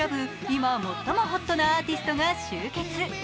今、最もホットなアーティストが集結。